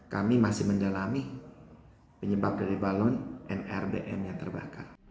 kami masih menjalani penyebab dari balon nrbm yang terbakar